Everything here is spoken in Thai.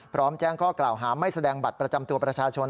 แจ้งข้อกล่าวหาไม่แสดงบัตรประจำตัวประชาชน